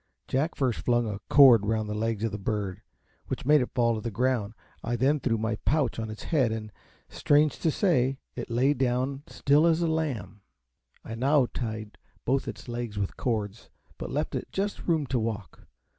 Jack first flung a cord round the legs of the bird, which made it fall to the ground. I then threw my pouch on its head, and, strange to say, it lay down as still as a lamb. I now tied both its legs with cords, but left it just room to walk.